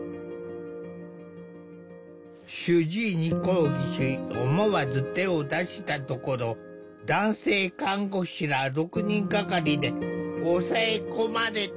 主治医に抗議し思わず手を出したところ男性看護師ら６人がかりで押さえ込まれた。